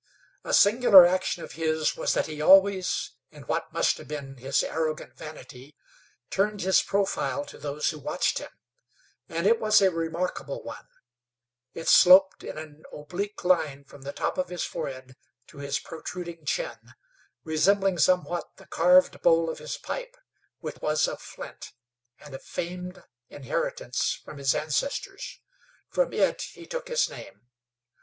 A singular action of his was that he always, in what must have been his arrogant vanity, turned his profile to those who watched him, and it was a remarkable one; it sloped in an oblique line from the top of his forehead to his protruding chin, resembling somewhat the carved bowl of his pipe, which was of flint and a famed inheritance from his ancestors. From it he took his name.